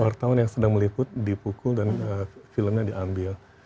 wartawan yang sedang meliput dipukul dan filmnya diambil